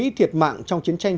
triều tiên trong cuộc chiến tranh